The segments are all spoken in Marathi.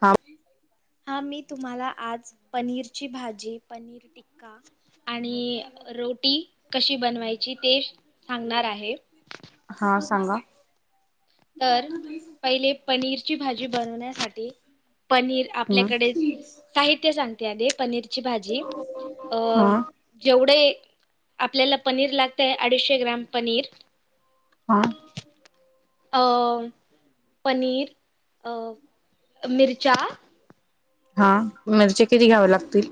हा. हा मी तुम्हाला आज पनीरची भाजी पनीर टिक्का. आणि रोटी कशी बनवायची ते सांगणार आहे. हा सांगा. तर पहिले पनीरची भाजी बनवण्यासाठी पनीर हम्म आपल्याकडे साहित्य सांगते आध पनीरची भाजी हा अं. जेवढे आपल्याला पनीर लागतय अडीचशे ग्राम पनीर हा. अ पनीर मिरचा हा मिरचे किती घ्याव लागतील.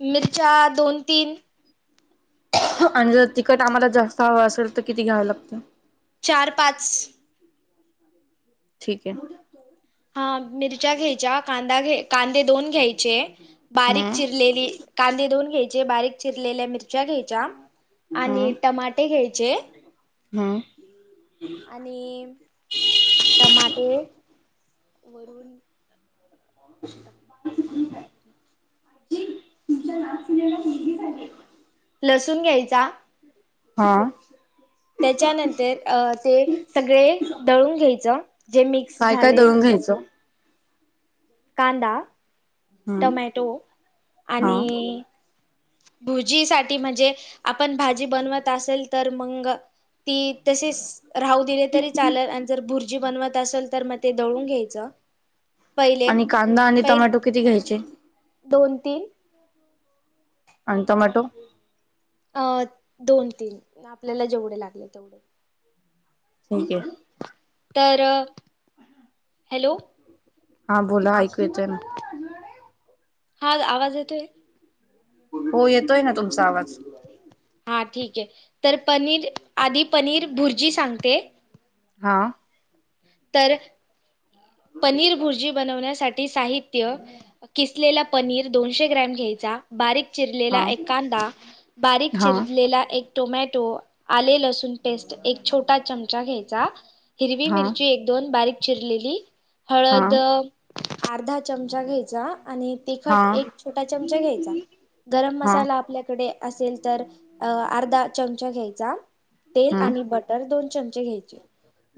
मिरच्या दोन तीन आणि जर तिकट आम्हाला जास्त हवं असेल तर किती घ्यावं लागत. चार, पाच. ठीक आहे. हा मिरच्या घ्यायच्या कांदा घे कांदे दोन घ्यायचे बारीक हम्म चिर लेलेकांदे दोन घ्यायचे बारीक चिरलेल्या मिरच्या मिरच्या घ्यायच्या आणि टमाटे घ्यायचे. हा. आणि टमाटे वरून हो. ते बरोबर. तुमच्या नात सुनेला मुलगी झालीय. लसुण घ्यायचा. हा. त्याच्यानंतर अ ते सगळे दळून घ्यायचं. जे मिक्स काय काय झाले दळून ते दोन. घ्यायचं कांदा हम्म टमॅटो हा आणि भुजीसाठी म्हणजे आपण भाजी बनवत असेल तर मंग ती तशीच. राहू दिले तरी चालल आणि जर भुर्जी बनवत असेल तर मग ते दळून घ्यायचं. पहिले आणि कांदा आणि पहिले टमॅटो किती घ्यायचे. दोन तीन. आणि टोमॅटो. अ दोन तीन आपल्याला जेवढे लागले तेवढे. ठीक आहे. तर हॅलो! हा बोला ऐकू येतं ना. हा आवाज येतोय. हो येतोय ना तुमचा आवाज. हा ठीक आहे तर पनीर आधी पनीर भुर्जी सांगते. हां. तर पनीर भुर्जी बनवण्यासाठी साहित्य किसलेला पनीर दोनशे ग्रॅम घ्यायचा बारीक. चिरलेला हा एक कांदा बारीक हा चिरलेला एक. टोमॅटो आले लसूण पेस्ट एक छोटा चमचा घ्यायचा हिरवी हा मिरची. एक दोन बारीक चिरलेली हळद हा अ अर्धा चमचा घ्यायचा आणि हा तिखट एक छोटा चमचा घ्यायचा गरम हा मसाला आपल्याकडे असेल. तर अ अर्धा चमचा घ्यायचा. तेल हम्म आणि बटर दोन चमचे घ्यायचे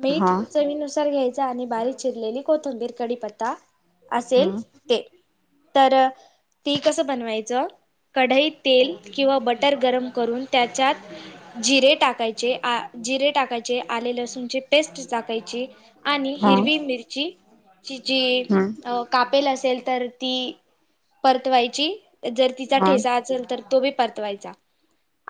मीठ हा चवीनुसार घ्यायचा आणि बारीक चिरलेली. कोथिंबीर कढीपत्ता असेल. हम्म ते तर ती कसं बनवायचं कढईत. तेल किंवा बटर गरम करून त्याच्यात जिरे टाकायचे आ जिरे टाकायचे आले लसूण चे पेस्ट मिरची आणि हा हिरवी मिरची कि जी हम्म कापेल असेल तर ती परतवायची. जर तिचा हा ठेसा असेल तर तो बी परतवायचा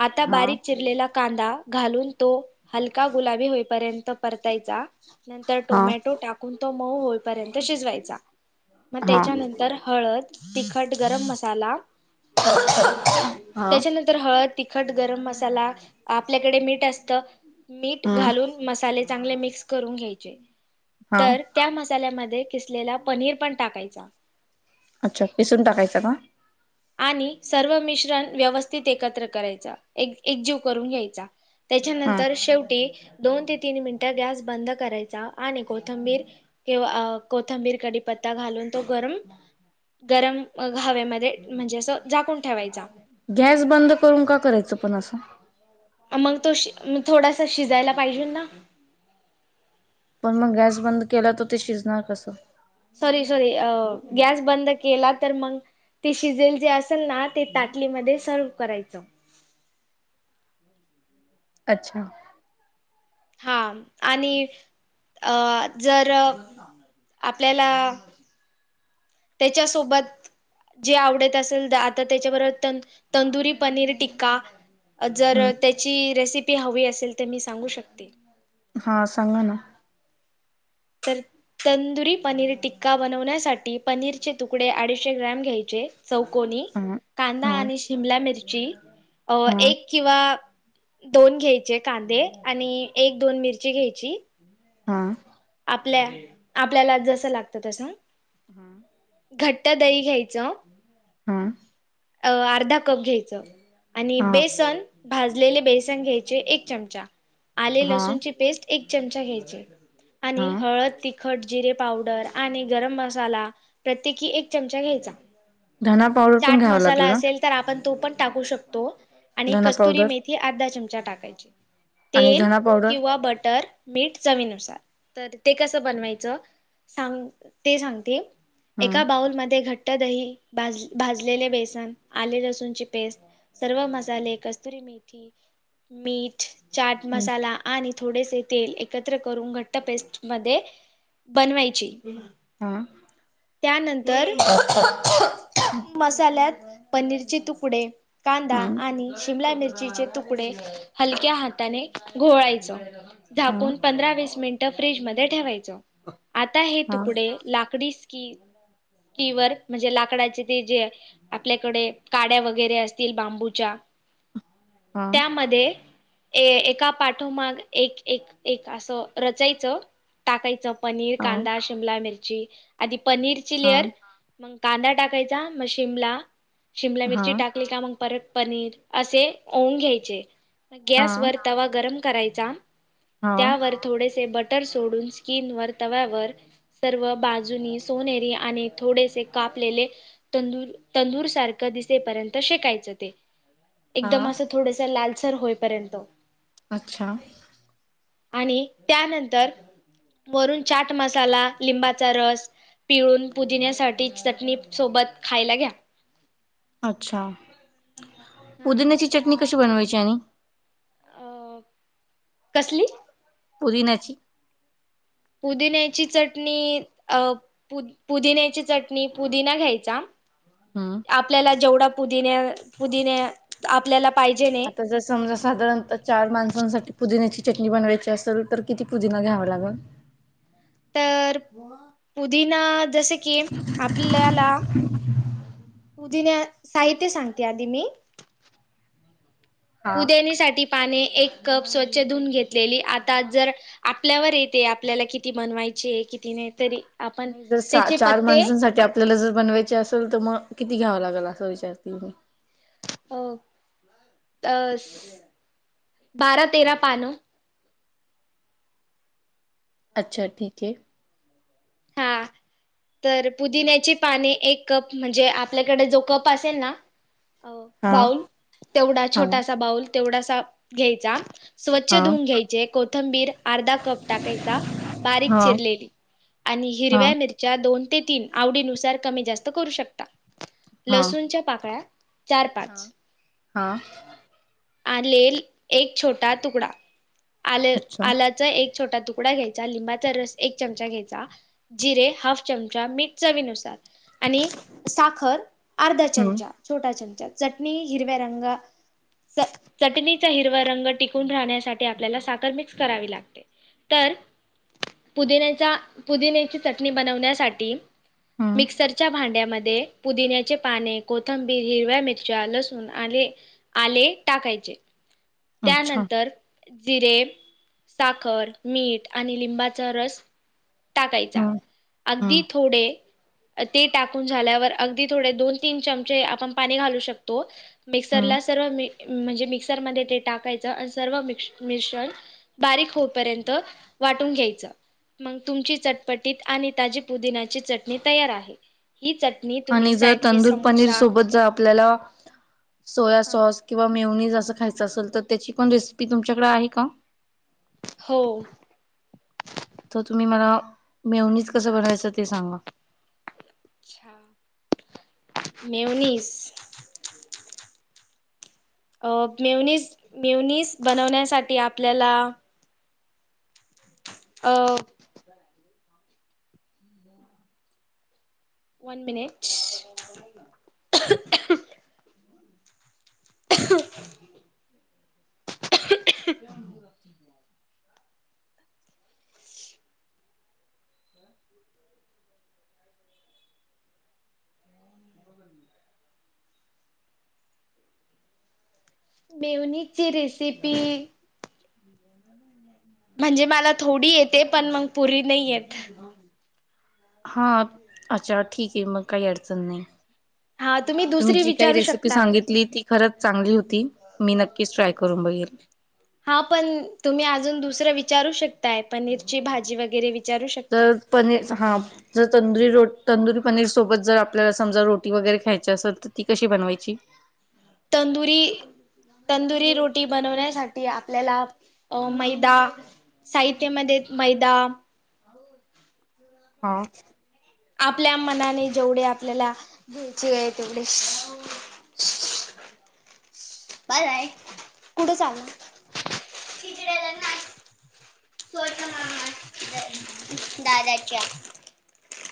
आता हा बारीक चिरलेला. कांदा घालून तो हलका गुलाबी होईपर्यंत. घ्यायचा नंतर हा टोमॅटो टाकून तो मऊ होईपर्यंत शिजवायचा. मग हा त्याच्यानंतर हळद तिखट गरम मसाला हा. त्याच्यानंतर हळद तिखट गरम मसाला आपल्याकडे मीठ असत मीठ घालून. मसाले चांगले मिक्स करून घ्यायचे हा तर. त्या मसाल्यामध्ये खिसलेला पनीर पण टाकायचा. अच्छा पिसून टाकायच का? आणि सर्व मिश्रण व्यवस्थित एकत्र करायच एक एकजीव करून घ्यायचा. हा त्याच्यानंतर शेवटी दोन ते तीन मिनिटं गॅस बंद करायचा आणि कोथंबीर. किंवा कोथंबीर कडीपत्ता घालून तो गरम गरम हवेमध्ये म्हणजे असं जाकून ठेवायचा. गॅस बंद करून का करायचं पण असं.. मग तो श थोडासा शिजायला पाहिजे ना. पण मग गॅस बंद केला तर ते शिजणार कसं? सॉरी सॉरी अह गॅस बंद केला तर मग ते शिजेल जे असेल ना ते ताटलीमध्ये सर्व्ह करायचं. अच्छा. हा आणि अ जर आपल्याला त्याच्यासोबत जे आवडत असेल आता त्याच्याबरोबर तंदुरी पनीर टिक्का. जर हम्म त्याची रेसिपी हवी असेल तर मी सांगू शकते. हा सांगा ना. तर तंदुरी पनीर टिक्का बनवण्यासाठी पनीरचे तुकडे अडीचशे ग्रॅम घ्यायचे चौकोनी हा. कांदा हा आणि शिमला मिरची अ हा एक किंवा दोन घ्यायचे कांदे आणि एक दोन मिरची घ्यायची. हा आपल्या आपल्याला जसं लागतं तसं. हम. घट्ट दही घ्यायचं हा अ अर्धा कप घ्यायचं. आणि हा बेसन भाजलेले बेसन घ्यायचे एक चमचा आले हा लसूणची पेस्ट एक चमचा घ्यायच हा आणि हळद ति खट जिरे पावडर आणि गरम मसाला प्रत्येकी एक चमचा घ्यायचा. धना पावडर पण चाट घ्यावा मसाला लागेल ना असेल तर आपण तो पण टाकू शकतो. आणि धना कस्तुरी पावडर मेथी अर्धा चमचा टाकायची आणि तेल धना पावडर किंवा बटर मीठ चवीनुसार तर ते कसं बनवायचं सांगते सांगते. हा एका बाऊलमध्ये घट्ट दही भाज भाजलेले बेसन आले लसूणची पेस्ट सर्व मसाले कस्तुरी मीठ मीठ चाट हा मसाला आणि थोडेसे तेल एकत्र करून घट्ट. पेस्ट मध्ये बनवायची. हा. त्यानंतर हे [unintelligible] मसाल्यात पनीरचे तुकडे कांदा हम्म आणि शिमला मिरचीचे तुकडे हलक्या हाताने घोळायच हा झाकून पंधरा वीस मिनट फ्रीजमध्ये ठेवायच आता हे हा तुकडे लाकडी क कीवर म्हणजे लाकडाची ते जे आपल्याकडे काड्या वगैरे असतील बांबूच्या हा त्यामध्ये ए एका पाठोमाग एक एक एक असं रचायचं. टाकायचं पनीर हा कांदा शिमला मिरची आधी पनीरची हा लेअर मग कांदा टाकायचा मग शिमला शिमला हा मिरची टाका. प अस हा घ्याय [unintelligible] गम कराय हा त्या थो ब. सोडून स्किन व तव्यावर सर्व बाजूननी सोनेरी आणि थोडेसे कापलेले तूर तंदूर सारख दिसेपर्यंत शेकायचं ते हा एकदम अस. थोडसा लालसर होईपर्यंत अच्छा. आणि त्यानंतर वरून चाट मसाला लिंबाचा रस पिळून पुदिण्यासाठी चटणी सोबत खायला घ्या. अच्छा हा. पुदिण्याची चटणी कशी बनवायची आणि अ कसली? पुदिनाची पुदिन्याची चटणी अ पु पुदिन्याची चटणी पुदिना घ्यायचा. हम्म आपल्याला जेवढ पुदिन्या पुदिन्या आपल्याला पाहिजे न आता जर समजा साधारणतः चार माणसांसाठी पुदिन्याची चटणी बनवायची असल तर किती पुदिना घ्यावा लागल. तर पुदिना जस की आपल्याला पुदिन्या साहित्य सांगते आधी मी हा पुदेणी साठी पाने एक कप स्वच्छ धुवून घेतलेली आता जर आपल्यावर येते आपल्याला किती बनवायचीये किती नाय तरी आपण नाही ज सहा त्याचे चार पत्ते माणसांसाठी आप आपल्याला जर बनवायच असेल तर मग किती घ्यावं लागेल असं विचारतील मी अ अ बारा तेरा पान अच्छा ठीकये. हा तर पुदिन्याची पाने एक कप म्हणजे आपल्याकडे जो कप असेल ना अ हा बाऊल तेवढा हा छोटासा बाऊल तेवढासा घ्यायचा. स्वच्छ हा धुवन घ्यायचे कोथंबीर अर्धा कप टाकायचा बारीक हा चिरलेली. आणि हा हिरव्या मिरच्या दोन ते तीन आवडीनुसार कमी जास्त करू शकता. हा लसूणच्या पाकळ्या चार पाच हां आलेल एक छोटा तुकडा आलेल अच्छा आल्या चा एक छोटा तुकडा घ्यायचा. लिंबाचा रस एक चमचा घ्यायचा. जिरे हाफ चमचा, मीठ चवीनुसार आणि साखर अर्धा हम्म चमचा छोटा चमचा चटणी हिरव्या रंगा चं चटणीचा हिरवा रंग टिकून राहण्यासाठी आपल्याला साखर मिक्स करावी लागते. तर पुदिनेचा पुदिन्याची चटणी बनवण्यासाठी हम्म मिक्सरच्या भांड्यामध्ये पुदिन्याचे पाने, कोथंबीर, हिरव्या मिरच्या, लसूण, आले आले टाकायचे अच्छा त्यानंतर जिरे, साखर, मीठ आणि लिंबाचा रस टाकायचा. हा हा अगदी थोडे अ ते टाकून झाल्यावर अगदी थोडे दोन तीन चमचे आपण पाणी घालू शकतो. हा मिक्सरला सर्व मि म्हणजे मिक्सरमध्ये ते टाकायचं अनं सर्व मिश्र मिश्रण बारीक होपर्यंत वाटून घ्यायचं. मंग तुमची चटपटीत आणि ताजी पुदिनाची चटणी तयार आहे. ही चट नी तुम्ही सँडविच, समोसा ज आपल्याला सोया सॉस किंवा मेवनीज असं खायचं असल तर त्याची पण रेसिपी तुमच्याकडे आहे का? हो. त तुम्ही मला मेवनीस कसं बनवायचं ते सांगा. च्छा मेवनीस अ मेवनीस मेवनीस बनवण्यासाठी आपल्याला अ वन मिनिट [inaudible] [inaudible] मेवनीज ची रेसिपी [unintelligible] म्हणजे मला थोडी येते पण मग पुरी नाही येत. हा अच्छा ठीक आहे मग काही अडचण नाही. हा तुम्ही तुम्ही दुसरी जी काही विचारू रेसिपी शकतात सांगितली ती खरंच चांगली होती. मी नक्कीच ट्राय करून बघेल हा पण तुम्ही अजून दुसरं विचारू शकताय पनीरची भाजी वगैरे विचारू शकताय तर पनीर हा जर तंदुरी रोट तंदुरी पनीर सोबत जर आपल्याला समजा रोटी वगैरे खायची असेल ती कशी बनवायची? तंदुरी तंदुरी रोटी बनवण्यासाठी आपल्याला मैदा साहित्यमध्ये मैदा हा आपल्या मनाने जेवढे आपल्याला घ्यायचे आहे तेवढे अ् [inaudible] बाय बाय कुठे चालला. [unintelligible] स्त दादाच्या